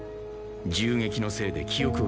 銃撃のせいで記憶をなくした。